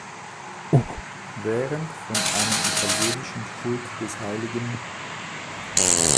Während von einem italienischen Kult des hl.